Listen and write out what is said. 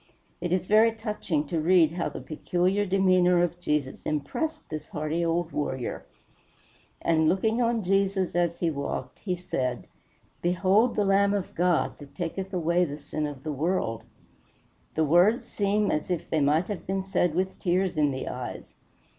It is very touching to read how the peculiar demeanor of Jesus impressed this hardy old warrior: "And looking on Jesus as he walked, he said, Behold the Lamb of God, that taketh away the sin of the world." The words seem as if they might have been said with tears in the eyes.